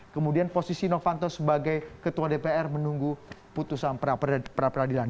kemudian posisi novanto sebagai ketua dpr menunggu putusan pra peradilan